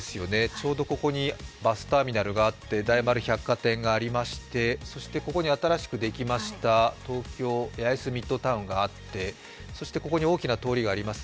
ちょうどここにバスターミナルがあって大丸百貨店がありまして、ここに新しくできました東京八重洲ミッドタウンがあってここに大きな通りがあります。